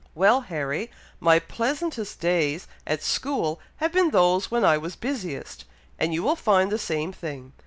"Well, Harry! my pleasantest days at school have been those when I was busiest, and you will find the same thing.